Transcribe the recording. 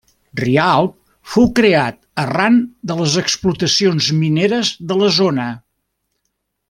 Rialb fou creat arran de les explotacions mineres de la zona.